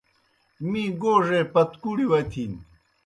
می گوڙے پتکُڑیْ وتِھن۔